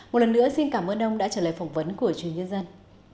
một lần nữa xin cảm ơn ông đã trả lời phỏng vấn của truyền nhân dân